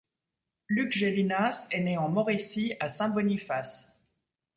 Luc Gélinas est né en Mauricie à Saint-Boniface.